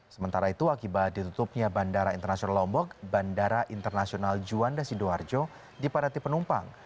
sementara itu akibat ditutupnya bandara internasional lombok bandara internasional juanda sidoarjo dipadati penumpang